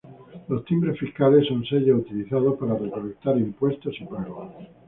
Los timbres fiscales son sellos utilizados para recolectar impuestos y pagos.